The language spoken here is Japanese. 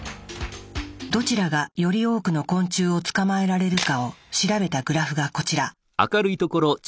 どちらがより多くの昆虫を捕まえられるかを調べたグラフがこちら。